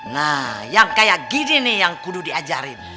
nah yang kayak gini nih yang kudu diajarin